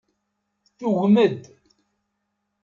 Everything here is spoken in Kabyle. Tugem-d.